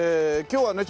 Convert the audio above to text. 今日はね